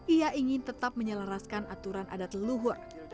ia ingin tetap menyelaraskan aturan adat leluhur